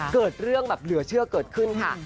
เกิดเรื่องแบบเหลือเชื่อเกิดขึ้นค่ะ